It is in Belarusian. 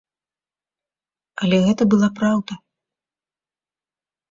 Але гэта была праўда.